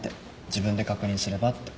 自分で確認すればって。